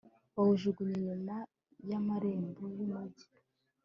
bawujugunya inyuma y'amarembo y'umugi